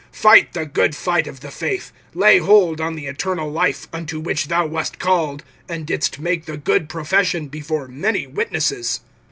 (12)Fight the good fight of the faith, lay hold on the eternal life, unto which thou wast called, and didst make the good profession before many witnesses.